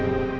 gak bisa tuh